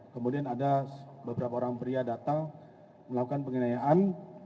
kemudian ada beberapa orang pria datang melakukan penginayaan